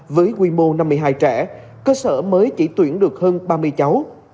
với quy mô năm mươi hai trẻ cơ sở mới chỉ tuyển được hơn ba mươi cháu